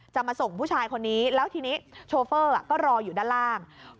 จะมาส่งผู้ชายคนนี้แล้วทีนี้โชเฟอร์ก็รออยู่ด้านล่าง